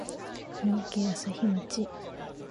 三重県朝日町